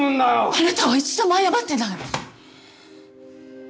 あなたは一度も謝ってない！